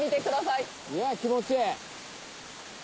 いやぁ気持ちいい。